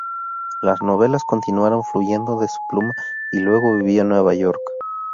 Las novelas continuaron fluyendo de su pluma y luego vivió en Nueva York.